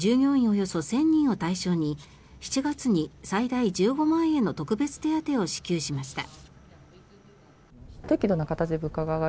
およそ１０００人を対象に７月に最大１５万円の特別手当を支給しました。